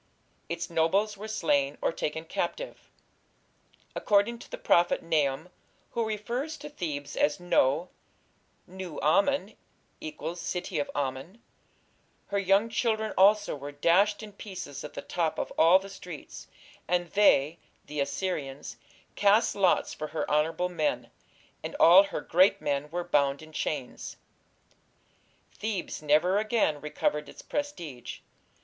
Its nobles were slain or taken captive. According to the prophet Nahum, who refers to Thebes as No (Nu Amon = city of Amon), "her young children also were dashed in pieces at the top of all the streets: and they (the Assyrians) cast lots for her honourable men, and all her great men were bound in chains". Thebes never again recovered its prestige.